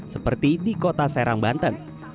seperti di kota serang banten